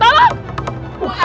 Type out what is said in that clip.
pak hai dipura